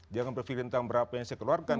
jangan berpikir tentang berapa yang saya keluarkan